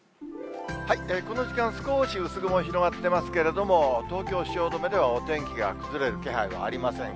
この時間、少し薄雲が広がっていますけれども、東京・汐留では、お天気が崩れる気配はありません。